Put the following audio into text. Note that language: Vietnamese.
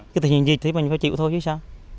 cái tình hình dịch thì mình phải chịu thôi chứ sao